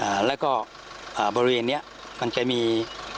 อ่าแล้วก็อ่าบริเวณเนี้ยมันจะมี